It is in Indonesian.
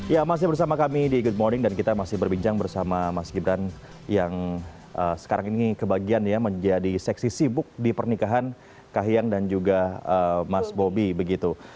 ya masih bersama kami di good morning dan kita masih berbincang bersama mas gibran yang sekarang ini kebagian ya menjadi seksi sibuk di pernikahan kahiyang dan juga mas bobi begitu